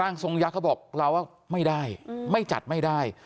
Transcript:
ทรงยักษ์เขาบอกเราว่าไม่ได้ไม่จัดไม่ได้